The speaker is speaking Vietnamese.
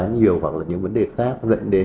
nhiều hoặc là những vấn đề khác dẫn đến